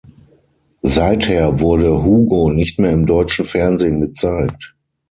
Seither wurde Hugo nicht mehr im deutschen Fernsehen gezeigt.